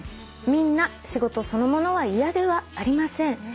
「みんな仕事そのものは嫌ではありません」